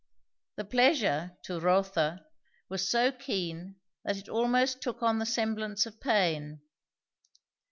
The pleasure, to Rotha, was so keen that it almost took on the semblance of pain.